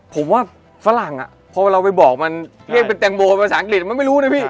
ผมว่าฝรั่งพอเราไปบอกมันเรียกเป็นแตงโมภาษาอังกฤษมันไม่รู้นะพี่